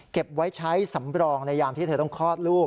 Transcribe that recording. เก็บไว้ใช้สำรองในยามที่เธอต้องคลอดลูก